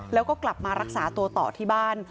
แล้วก็กลับมารักษาตัวต่อที่บ้าน